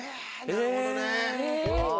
⁉なるほどね。え？